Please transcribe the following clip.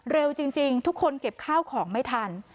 เร็วจริงทุกคนเก็บข้าวของไม่ทัน